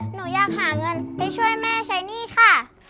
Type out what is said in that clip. หนูอยากหาเงินไปช่วยแม่ใช้หนี้ค่ะ